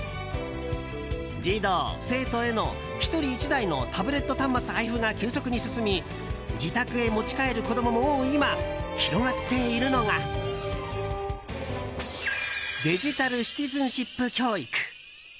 児童、生徒への１人１台のタブレット端末配布が急速に進み自宅へ持ち帰る子供も多い今広がっているのがデジタル・シティズンシップ教育。